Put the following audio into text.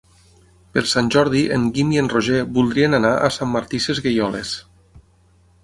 Per Sant Jordi en Guim i en Roger voldrien anar a Sant Martí Sesgueioles.